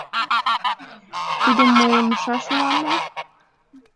— Тудым мый мушаш улам мо?